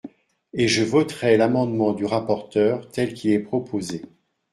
Et je voterai l’amendement du rapporteur tel qu’il est proposé.